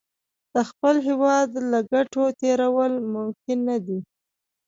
د خپل هېواد له ګټو تېرول ممکن نه دي.